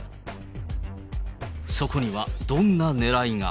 そこにはどんなねらいが。